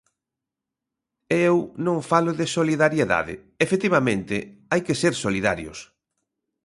E eu non falo de solidariedade; efectivamente, hai que ser solidarios.